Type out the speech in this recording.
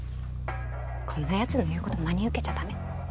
こんなやつの言うこと真に受けちゃ駄目。